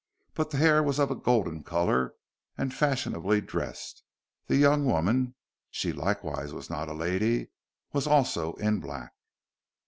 But the hair was of a golden color, and fashionably dressed. The young woman she likewise was not a lady was also in black.